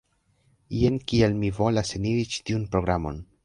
Jen kial mi volas eniri ĉi tiun programon